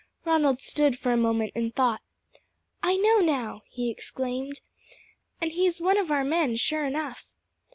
Ronald stood for a moment in thought. "I know now!" he exclaimed. "And he is one of our men, sure enough."